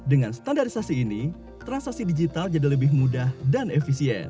dengan standarisasi ini transaksi digital jadi lebih mudah dan efisien